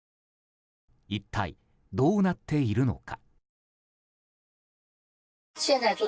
一体どうなっているのか。